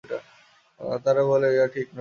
তাহারা বলে, ইহা ঠিক নয়।